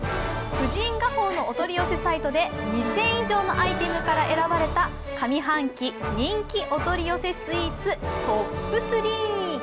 婦人画報のお取り寄せサイトで２０００以上のアイテムから選ばれた上半期人気お取り寄せスイーツトップ３。